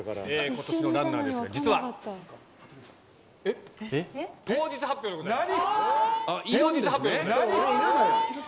ことしのランナーですが、実は、当日発表でございます。